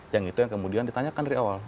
yang itu yang kemudian ditanyakan dari awal